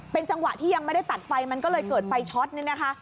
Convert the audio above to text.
เป็นจังหวะที่ยังไม่ได้ตัดไฟมันก็เลยเกิดไฟช็อตนี่นะคะ